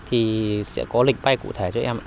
thì sẽ có lịch bay cụ thể cho em